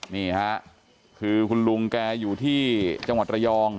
นี่ค่ะคือคุณลุงแกอยู่ที่จังหวัดระยอง